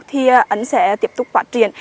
thì anh sẽ tiếp tục phát triển